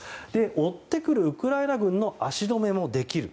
追ってくるウクライナ軍の足止めもできる。